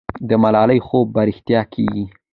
د ملالۍ خوب به رښتیا کېږي.